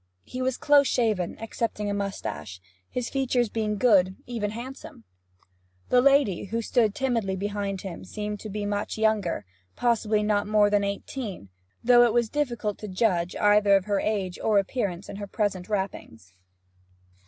He was close shaven, excepting a moustache, his features being good, and even handsome. The lady, who stood timidly behind him, seemed to be much younger possibly not more than eighteen, though it was difficult to judge either of her age or appearance in her present wrappings.